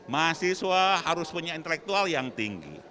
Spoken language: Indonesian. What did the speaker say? mahasiswa harus punya intelektual yang tinggi